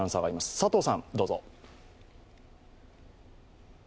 佐藤さん、どうぞ。